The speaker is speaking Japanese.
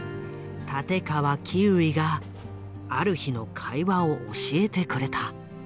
立川キウイがある日の会話を教えてくれた。